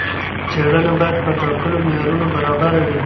څېړنه باید په ټاکلو معیارونو برابره وي.